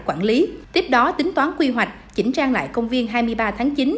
quản lý tiếp đó tính toán quy hoạch chỉnh trang lại công viên hai mươi ba tháng chín